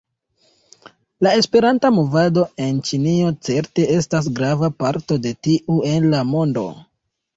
La Esperanta movado en Ĉinio certe estas grava parto de tiu en la mondo.